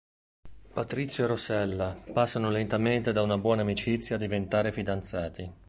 Patrizio e Rossella passano lentamente da una buona amicizia a diventare fidanzati.